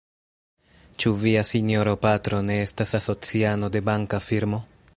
Ĉu via sinjoro patro ne estas asociano de banka firmo?